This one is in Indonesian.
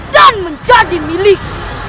dan menjadi milik